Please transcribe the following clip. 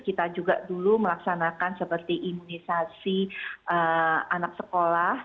kita juga dulu melaksanakan seperti imunisasi anak sekolah